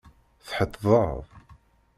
Tḥettdeḍ?